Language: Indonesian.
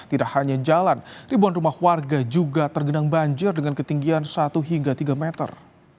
tidak hanya jalan ribuan rumah warga juga tergenang banjir dengan ketinggian satu hingga tiga meter